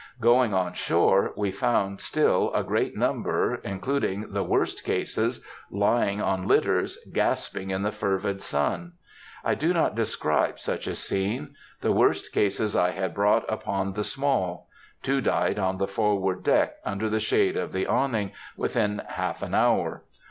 Going on shore, I found still a great number, including the worst cases, lying on litters, gasping in the fervid sun. I do not describe such a scene. The worst cases I had brought upon the Small. Two died on the forward deck, under the shade of the awning, within half an hour.